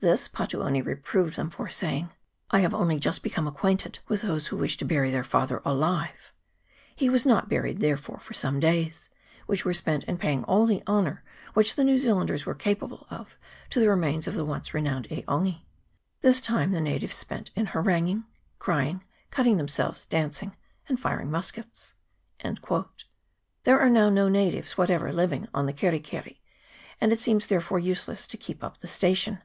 This Patuone reproved them for, saying 'I have only just become acquainted with those who wish to bury their father alive !' He was not buried, therefore, for some days ; which were spent in paying all the honour which the New Zealanders were capable of to the remains of the once renowned E' Ongi. This time the natives spent in haranguing, crying, cutting them selves, dancing, and firing muskets." There are now no natives whatever living on the Keri keri ; and it seems, therefore, useless to keep up the station.